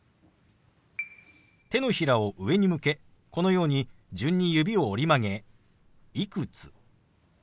手のひらを上に向けこのように順に指を折り曲げ「いくつ」。